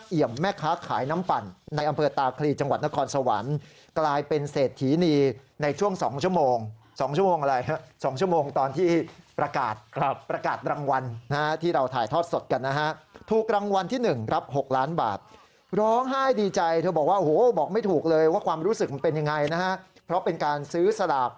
แม่ค้าขายน้ำปั่นในอำเภอตาคลีจังหวัดนครสวรรค์กลายเป็นเศรษฐีนีในช่วง๒ชั่วโมง๒ชั่วโมงอะไรฮะ๒ชั่วโมงตอนที่ประกาศประกาศรางวัลนะฮะที่เราถ่ายทอดสดกันนะฮะถูกรางวัลที่๑รับ๖ล้านบาทร้องไห้ดีใจเธอบอกว่าโอ้โหบอกไม่ถูกเลยว่าความรู้สึกมันเป็นยังไงนะฮะเพราะเป็นการซื้อสลาก